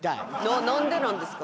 なんでなんですか？